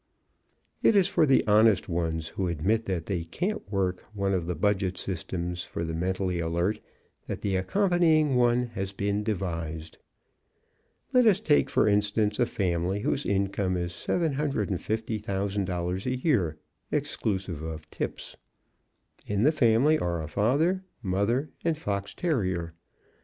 It is for the honest ones, who admit that they can't work one of the budget systems for the mentally alert, that the accompanying one has been devised. Let us take, for instance, a family whose income is $750,000 a year, exclusive of tips. In the family are a father, mother and fox terrier.